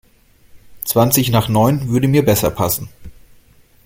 Zwanzig nach neun würde mir besser passen.